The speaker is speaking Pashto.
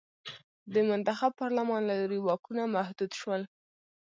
د منتخب پارلمان له لوري واکونه محدود شول.